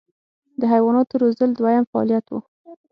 د حیواناتو روزل دویم فعالیت و.